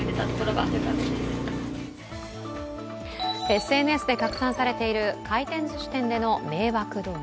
ＳＮＳで拡散されている回転ずし店での迷惑動画。